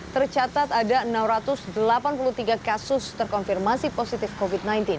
tercatat ada enam ratus delapan puluh tiga kasus terkonfirmasi positif covid sembilan belas